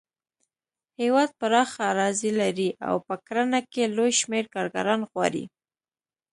هېواد پراخه اراضي لري او په کرنه کې لوی شمېر کارګران غواړي.